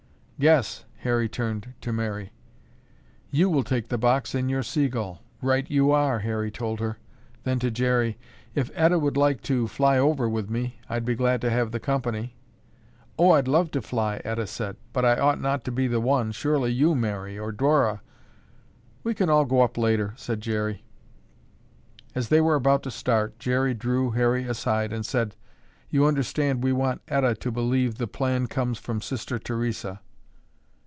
"Guess," Harry turned to Mary. "You will take the box in your Seagull." "Right you are," Harry told her. Then to Jerry, "If Etta would like to fly over with me, I'd be glad to have company." "Oh, I'd love to fly," Etta said, "but I ought not to be the one; surely you, Mary, or Dora—" "We can all go up later," said Jerry. As they were about to start, Jerry drew Harry aside and said: "You understand we want Etta to believe the plan comes from Sister Theresa."